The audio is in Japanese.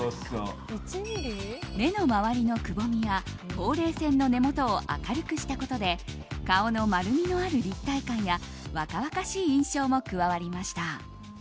目の周りのくぼみやほうれい線の根元を明るくしたことで顔の丸みのある立体感や若々しい印象も加わりました。